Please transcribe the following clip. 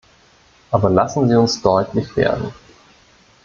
Aber lassen Sie uns deutlich werden.